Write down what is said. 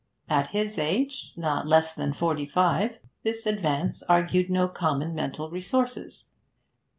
At his age not less than forty five this advance argued no common mental resources.